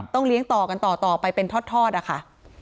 เลี้ยงต่อกันต่อไปเป็นทอดนะคะ